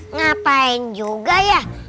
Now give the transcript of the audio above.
ngapain juga ya